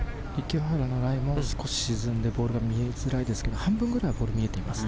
少し沈んでボールが見えづらいですけど半分ぐらいはボールが見えています。